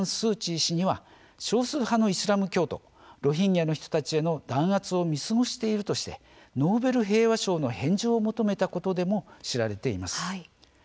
またミャンマーのアウン・サン・スー・チー氏には少数派のイスラム教徒ロヒンギャの人たちへの弾圧を見過ごしているとしてノーベル平和賞の返上を求めたことでも知られています。